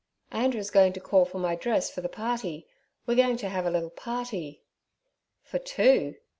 'Andrer's goin' to call for my dress for the party. We're goin' to have a little party.' 'For two?'